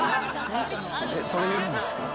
それ言うんですか？